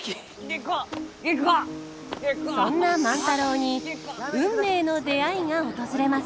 そんな万太郎に運命の出会いが訪れます。